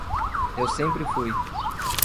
Eu sempre fui.